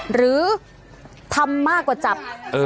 หรือทำมากกว่าจับ